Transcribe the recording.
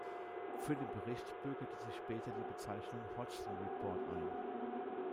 Für den Bericht bürgerte sich später die Bezeichnung „Hodgson Report“ ein.